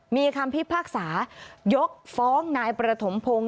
มีคำพิพากษายกฟ้องนายประถมพงศ์